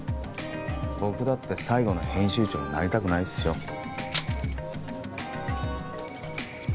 僕だって最後の編集長になりたくないですよ。